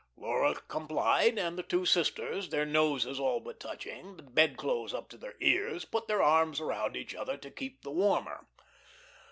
Laura complied, and the two sisters, their noses all but touching, the bedclothes up to their ears, put their arms about each other to keep the warmer.